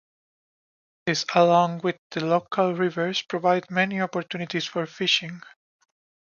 This along with the local rivers provide many opportunities for fishing.